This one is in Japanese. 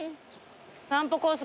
散歩コース